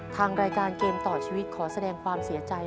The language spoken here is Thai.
ทางรายการเกมต่อชีวิตขอแสดงความเสียใจ